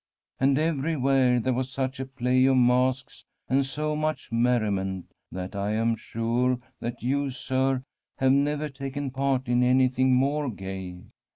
And everywhere there was such a play of masks and so much merriment that I am sure that you, sir, have never taken part in any thing more gay.